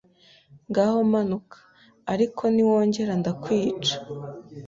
ngaho manuka, ariko niwongera ndakwica